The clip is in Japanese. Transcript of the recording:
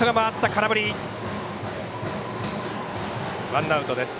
ワンアウトです。